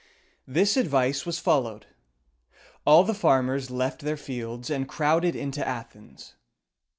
This advice was followed. All the farmers left their fields, and crowded into Athens.